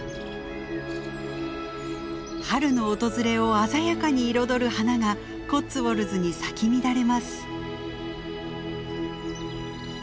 春の訪れを鮮やかに彩る花がコッツウォルズに咲き乱れます。